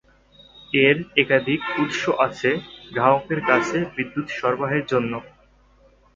এর একাধিক উৎস আছে গ্রাহকের কাছে বিদ্যুৎ সরবরাহের জন্য।